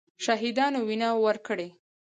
شهیدانو وینه ورکړې.